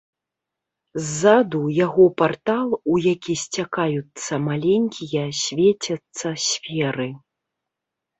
Ззаду яго партал, у які сцякаюцца маленькія свецяцца сферы.